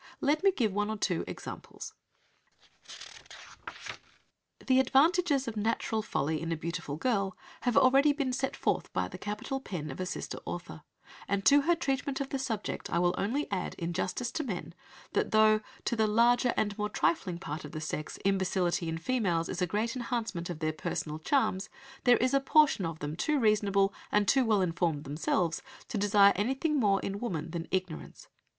Let me give one or two examples "The advantages of natural folly in a beautiful girl have been already set forth by the capital pen of a sister author; and to her treatment of the subject I will only add, in justice to men, that though, to the larger and more trifling part of the sex, imbecility in females is a great enhancement of their personal charms, there is a portion of them too reasonable, and too well informed themselves, to desire anything more in woman than ignorance.